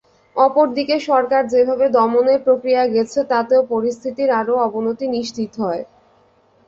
অপরদিকে সরকার যেভাবে দমনের প্রক্রিয়ায় গেছে, তাতেও পরিস্থিতির আরও অবনতি নিশ্চিত হয়।